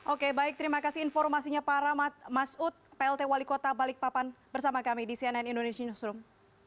oke baik terima kasih informasinya pak rahmat masud plt wali kota balikpapan bersama kami di cnn indonesia newsroom